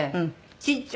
ちっちゃーい